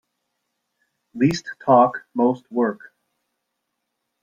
Least talk most work.